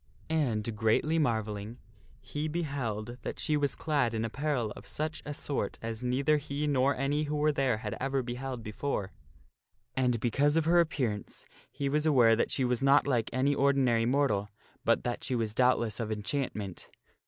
And, greatly marvelling, he beheld that she was clad in apparel of such a sort as neither o * fhe wonder he nor any who were there had ever beheld before. And fui Lady of the because of her appearance he was aware that she was not like ake ' any ordinary mortal, but that she was doubtless of enchantment.